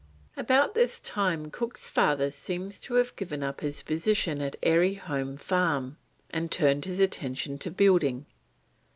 About this time Cook's father seems to have given up his position at Airy Holme Farm and turned his attention to building.